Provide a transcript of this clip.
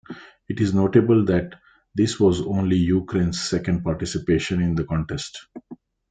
It is notable that this was only Ukraine's second participation in the contest.